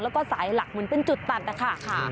แล้วก็สายหลักเหมือนเป็นจุดตัดนะคะ